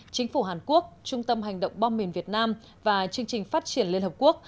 chính phủ hàn quốc trung tâm hành động bom mìn việt nam và chương trình phát triển liên hợp quốc